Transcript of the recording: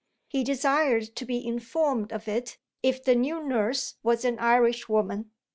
He desired to be "informed of it, if the new nurse was an Irishwoman."